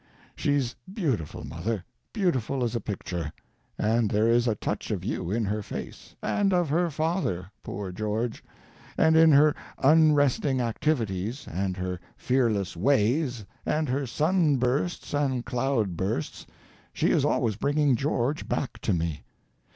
She's beautiful, mother, beautiful as a picture; and there is a touch of you in her face, and of her father—poor George! and in her unresting activities, and her fearless ways, and her sunbursts and cloudbursts, she is always bringing George back to me.